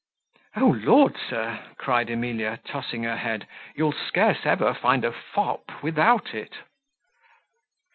"Oh Lord, sir," cried Emilia, tossing her head, "you'll scarce ever find a fop without it."